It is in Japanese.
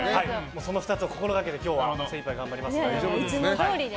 その２つを心掛けて今日は精いっぱい頑張ります。